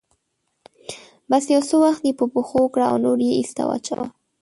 بس يو څه وخت يې په پښو کړه او نور يې ايسته واچوه.